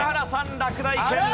落第圏内。